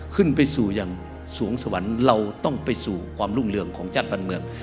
ขึ้นไปสู่อย่างสวงสวรรค์เราต้องไปสู่ความรุ่งเรืองของชาติบ้านเมือง